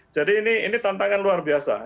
jadi ini tantangan luar biasa